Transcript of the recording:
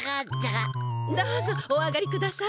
どうぞおあがりください。